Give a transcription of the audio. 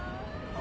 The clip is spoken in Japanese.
あ。